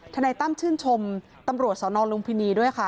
นายตั้มชื่นชมตำรวจสนลุมพินีด้วยค่ะ